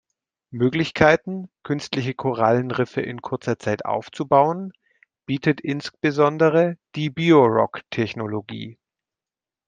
Möglichkeiten, künstliche Korallenriffe in kurzer Zeit aufzubauen, bietet insbesondere die Biorock-Technologie.